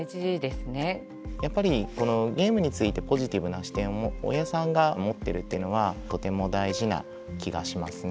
このゲームについてポジティブな視点を親さんが持ってるというのはとても大事な気がしますね。